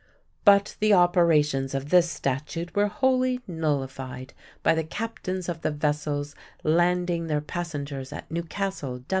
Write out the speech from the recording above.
But the operations of this statute were wholly nullified by the captains of the vessels landing their passengers at Newcastle, Del.